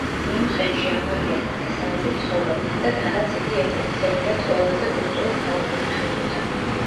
მიუნხენში ამალიას ნათესავებიც ცხოვრობდნენ და თანაც იგი ევროპის ერთ-ერთ ყველაზე კულტურულ ქალაქად ითვლებოდა.